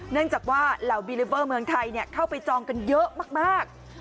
เนื่องจากว่าเหล่าบีลิเวอร์เมืองไทยเข้าไปจองกันเยอะมาก